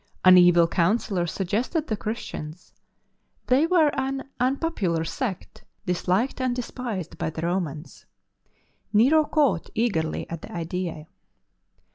An evil counsellor suggested the Christians; they were an unpopular sect, dis liked and despised by the Romans. Nero caught eagerly at the idea.